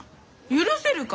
許せるか？